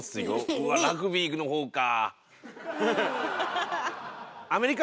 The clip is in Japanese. うわラグビーのほうかぁ。